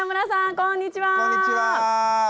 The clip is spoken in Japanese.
こんにちは。